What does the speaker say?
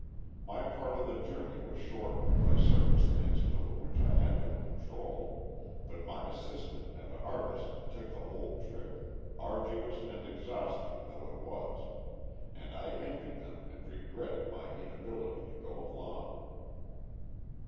My part of the journey was shortened by circumstances over which I had no control, but my assistant and artist took the whole trip, arduous and exhausting though it was, and I envied them and regretted my inability to go along.